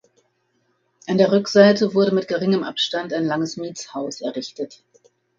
An der Rückseite wurde mit geringem Abstand ein langes Mietshaus errichtet.